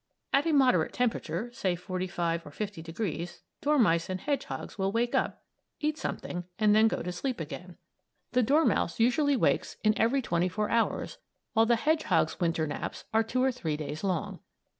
At a moderate temperature, say 45 or 50 degrees, dormice and hedgehogs will wake up, eat something, and then go to sleep again. The dormouse usually wakes in every twenty four hours, while the hedgehog's Winter naps are two or three days long.